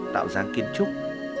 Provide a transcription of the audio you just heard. tạo dáng kiên trúc